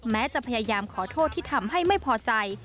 แม้จะพยายามขอโทษที่ทำให้ไม่พอใจ